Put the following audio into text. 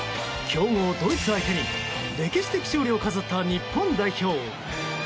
強豪ドイツ相手に歴史的勝利を飾った日本代表。